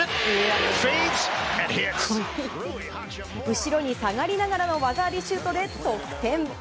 後ろに下がりながらの技ありシュートで得点。